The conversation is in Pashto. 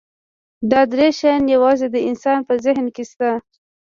دا درې شیان یواځې د انسان په ذهن کې شته.